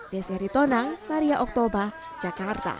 desyari tonang maria oktober jakarta